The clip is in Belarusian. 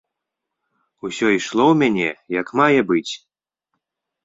Усё ішло ў мяне як мае быць.